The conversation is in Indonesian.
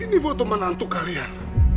ini foto menantu kalian